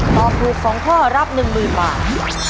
ตอบถูก๒ข้อรับ๑๐๐๐บาท